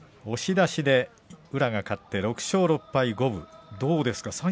押し出しで宇良が勝って６勝６敗の五分どうですか？